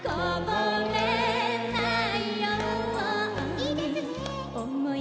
いいですね！